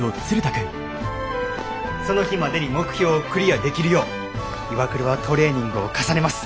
その日までに目標をクリアできるよう岩倉はトレーニングを重ねます。